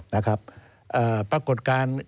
นะครับปรากฏการณ์